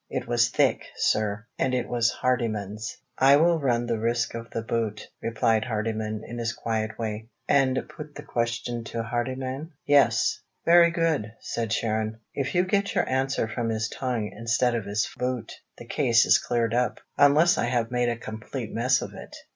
It was thick, sir; and it was Hardyman's." "I will run the risk of the boot," Moody replied, in his quiet way. "And put the question to Hardyman?" "Yes." "Very good," said Sharon. "If you get your answer from his tongue, instead of his boot, the case is cleared up unless I have made a complete mess of it.